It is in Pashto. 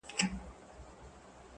د ازل تقسيم باغوان يم پيدا کړی؛